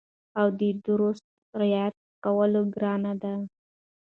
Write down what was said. او د درستو رعایت کول ګران دي